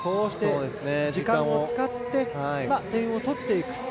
時間を使って点を取っていく。